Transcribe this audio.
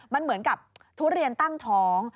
มันเหมือนกับทุเรียนตั้งท้อง